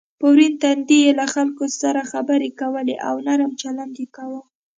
په ورین تندي یې له خلکو سره خبرې کولې او نرم چلند یې کاوه.